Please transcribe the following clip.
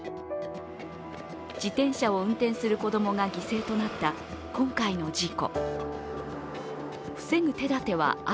自転車を運転する子供が犠牲となった今回の事故。